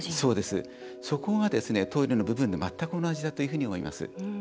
そこがトイレの部分で全く同じだと思います。